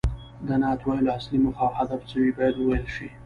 د نعت ویلو اصلي موخه او هدف څه وي باید وویل شي.